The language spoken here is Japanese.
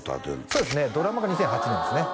そうですねドラマが２００８年ですね